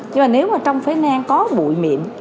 nhưng mà nếu mà trong phế nan có bụi miệng